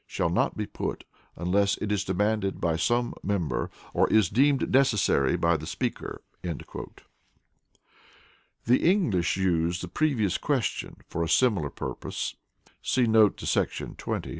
shall not be put unless it is demanded by some member, or is deemed necessary by the Speaker." The English use the "Previous Question," for a similar purpose [see note to § 20].